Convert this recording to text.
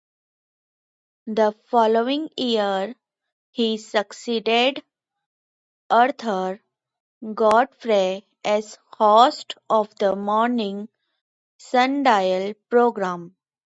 The following year he succeeded Arthur Godfrey as host of the morning "Sundial" program.